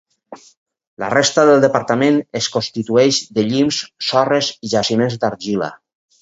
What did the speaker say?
La resta del departament es constitueix de llims, sorres i jaciments d'argila.